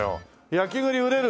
焼き栗売れる？